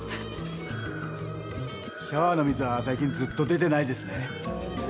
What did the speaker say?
シャワーの水は最近ずっと出てないですね。